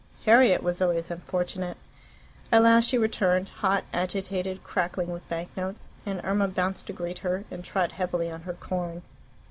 Harriet was always unfortunate. At last she returned, hot, agitated, crackling with bank notes, and Irma bounced to greet her, and trod heavily on her corn.